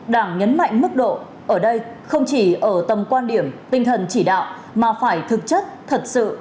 đảng nhấn mạnh mức độ ở đây không chỉ ở tầm quan điểm tinh thần chỉ đạo mà phải thực chất thật sự